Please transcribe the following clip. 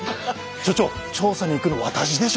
所長調査に行くの私でしょう？